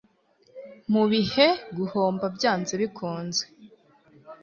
mubihe, guhomba byanze bikunze